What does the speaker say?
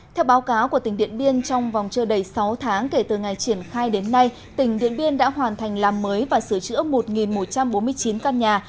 theo báo cáo của tỉnh điện biên trong vòng chưa đầy sáu tháng kể từ ngày triển khai đến nay tỉnh điện biên đã hoàn thành làm mới và sửa chữa một một trăm bốn mươi chín căn nhà